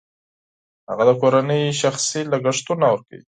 هغه د کورنۍ شخصي لګښتونه ورکوي